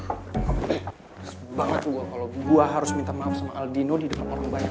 resep banget gue kalo gue harus minta maaf sama aldino di dekat orang banyak